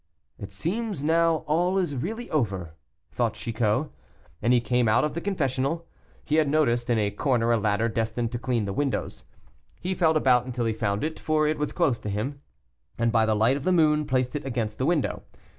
"It seems now all is really over," thought Chicot, and he came out of the confessional. He had noticed in a corner a ladder destined to clean the windows. He felt about until he found it, for it was close to him, and by the light of the moon placed it against the window.